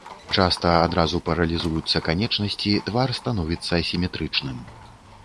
Часта адразу паралізуюцца канечнасці, твар становіцца асіметрычным.